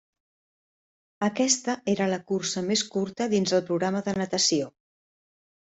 Aquesta era la cursa més curta dins el programa de natació.